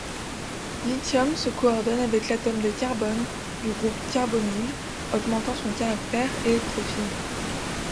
Li se coordonne avec l'atome de carbone du groupe carbonyle, augmentant son caractère électrophile.